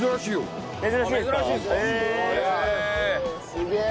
すげえ。